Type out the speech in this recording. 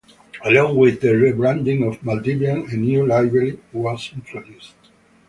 Along with the re-branding of Maldivian, a new livery was introduced.